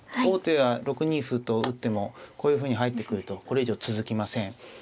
王手が６二歩と打ってもこういうふうに入ってくるとこれ以上続きません。